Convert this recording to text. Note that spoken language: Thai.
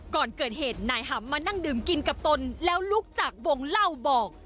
ก่อนเกิดเหตุนายหำมานั่งดื่มกินกับตนแล้วลุกจากวงเล่าบอก